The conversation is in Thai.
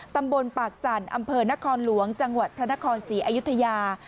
ตำบลปากจันทร์อำเภอนครหลวงจังหวัดพระนครศรีอยุธยา